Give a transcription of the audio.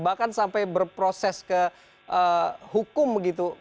bahkan sampai berproses ke hukum begitu